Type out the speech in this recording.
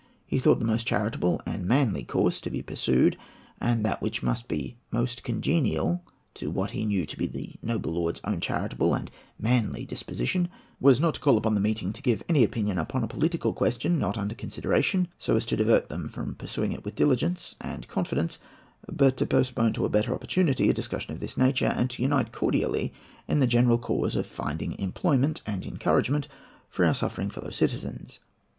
He thought the most charitable and manly course to be pursued—and that which must be most congenial to what he knew to be the noble lord's own charitable and manly disposition—was not to call upon the meeting to give any opinion upon a political question not under consideration, so as to divert them from pursuing it with diligence and confidence, but to postpone to a better opportunity a discussion of this nature, and to unite cordially in the general cause of finding employment and encouragement for our suffering fellow citizens.